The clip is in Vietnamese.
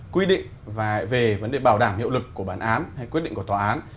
quy định về vấn đề bảo đảm hiệu lực của bản án hay quyết định của tòa án